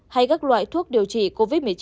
hay các loại thuốc điều trị covid một mươi chín